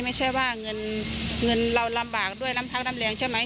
ไม่ใช่ว่าเงินเราลำบากด้วยลำพักลำแหลงใช่ไหม